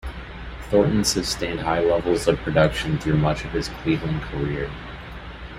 Thornton sustained high levels of production through much of his Cleveland career.